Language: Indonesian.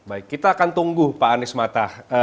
baik kita akan tunggu pak anies mata